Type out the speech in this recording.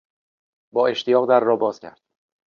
با اشتیاق در را باز کرد.